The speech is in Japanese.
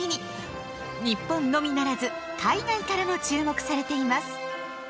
日本のみならず海外からも注目されています。